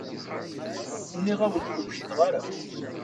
Nniɣ-awen ur wjideɣ ara.